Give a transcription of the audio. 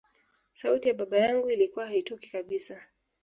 sauti ya baba yangu ilikuwa haitokii kabisa